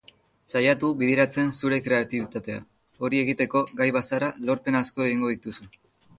Saiatu bideratzen zure kreatibiatea, hori egiteko gai bazara lorpen asko egingo dituzu.